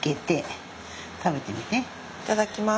いただきます。